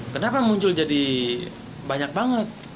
kenapa muncul jadi banyak banget